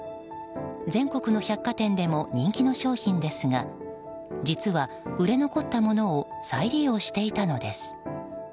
全国の百貨店でも人気の商品ですが実は売れ残ったものを再利用していたのです。